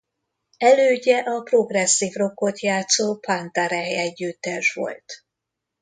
Elődje a progresszív rockot játszó Panta Rhei együttes volt.